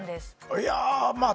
いやまあ